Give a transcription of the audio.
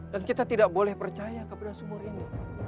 dan kita tidak boleh percaya kepada sumur ini